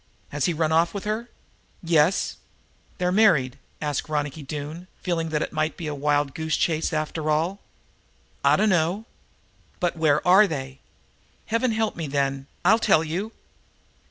Has he run off with her?" "Yes." "They're married?" asked Ronicky, feeling that it might be a wild goose chase after all. "I dunno." "But where are they?" "Heaven help me, then! Ill tell you."